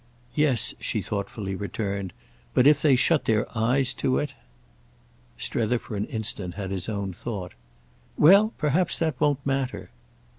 "Yes," she thoughtfully returned—"but if they shut their eyes to it!" Strether for an instant had his own thought. "Well perhaps that won't matter!"